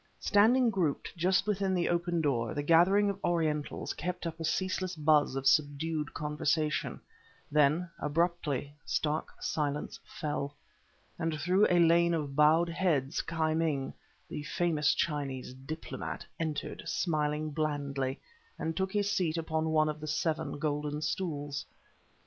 Standing grouped just within the open door, the gathering of Orientals kept up a ceaseless buzz of subdued conversation; then, abruptly, stark silence fell, and through a lane of bowed heads, Ki Ming, the famous Chinese diplomat, entered, smiling blandly, and took his seat upon one of the seven golden stools.